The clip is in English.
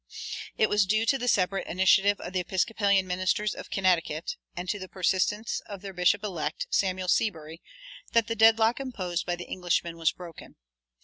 It was due to the separate initiative of the Episcopalian ministers of Connecticut, and to the persistence of their bishop elect, Samuel Seabury, that the deadlock imposed by the Englishmen was broken.